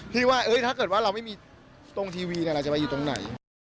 ที่ว่าถ้าเกิดว่าเราไม่มีตรงทีวีเราจะไปอยู่ตรงไหน